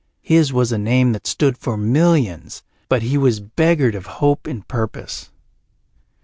His was a name that stood for millions, but he was beggared of hope and purpose.